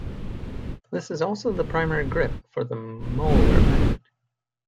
This is also the primary grip for the Moeller method.